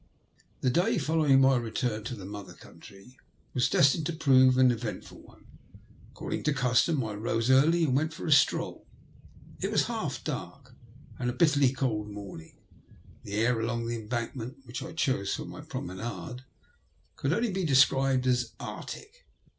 The day following my return to the mother country was destined to prove an eventful one. According to custom I rose early and went for a stroll. It was half dark and a bitterly cold morning ; the air along the Embankment, which I chose for my promenade, could only be described as Arctic.